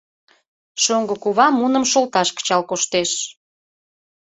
Шоҥго кува муным шолташ кычал коштеш.